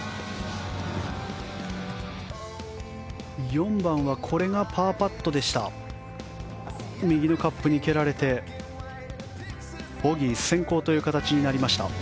４番はパーパットで右のカップに蹴られてボギー先行となりました。